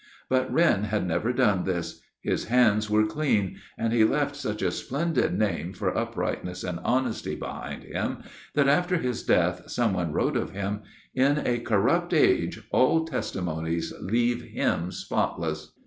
But Wren had never done this; his hands were clean, and he left such a splendid name for uprightness and honesty behind him that after his death someone wrote of him, 'In a corrupt age, all testimonies leave him spotless.